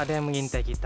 ada yang mengintai kita